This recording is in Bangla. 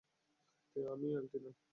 আমি এলটি নই।